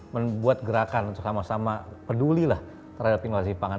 membuat gerakan untuk sama sama peduli lah terhadap inovasi pangan